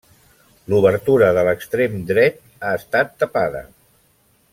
L'obertura de l'extrem dret ha estat tapada.